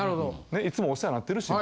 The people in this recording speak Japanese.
いつもお世話になってるし。